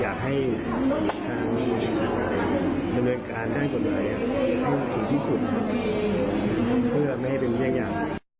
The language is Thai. อยากให้ทางบรรยากาศด้านกฎภัยตรงที่สุดเพื่อไม่ให้มีอย่างยาก